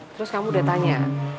terus kamu sudah tanya